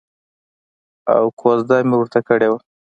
او کوزده مې ورته کړې وه.